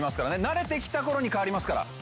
慣れてきた頃に変わりますから。